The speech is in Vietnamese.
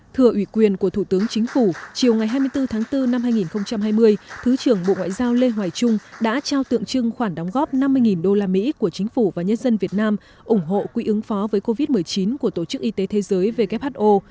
thừa ủy quyền của thủ tướng chính phủ chiều ngày hai mươi bốn tháng bốn năm hai nghìn hai mươi thứ trưởng bộ ngoại giao lê hoài trung đã trao tượng trưng khoản đóng góp năm mươi usd của chính phủ và nhân dân việt nam ủng hộ quỹ ứng phó với covid một mươi chín của tổ chức y tế thế giới who